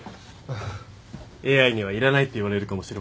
ＡＩにはいらないって言われるかもしれませんが。